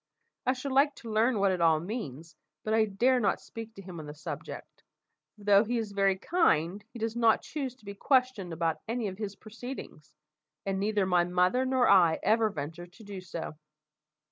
I should like to learn what it all means, but I dare not speak to him on the subject, for though he is very kind, he does not choose to be questioned about any of his proceedings, and neither my mother nor I ever venture to do so."